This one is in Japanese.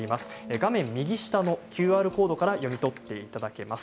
画面右下のＱＲコードから読み取っていただけます。